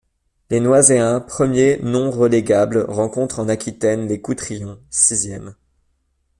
Les Noiséens, premier non-relégable rencontrent en Aquitaine les Coutrillons, sixième.